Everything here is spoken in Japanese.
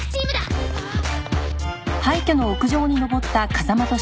あっ。